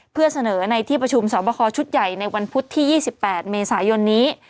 เพื่อเสนอในที่ประชุมสอบคอชุดใหญ่ในวันพุธที่๒๘เมษายนนี้